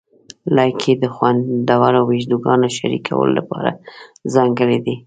لایکي د خوندورو ویډیوګانو شریکولو لپاره ځانګړی دی.